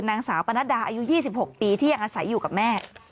นางสาวปนัดดาอายุ๒๖ปีที่ยังอาศัยอยู่กับแม่